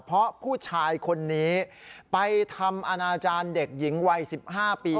เพราะผู้ชายคนนี้ไปทำอนาจารย์เด็กหญิงวัย๑๕ปี